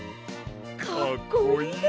かっこいいよな！